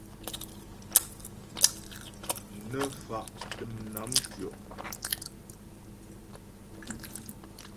Nə́ fa' dəm nám ntʉɔ.